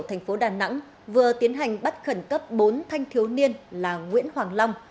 tp đà nẵng vừa tiến hành bắt khẩn cấp bốn thanh thiếu niên là nguyễn hoàng long